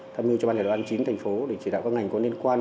tham dự cho ban chỉ đạo ban chính thành phố để chỉ đạo các ngành có liên quan